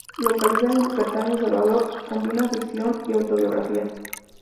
Localizada en Yucatán y El Salvador, combina ficción y autobiografía.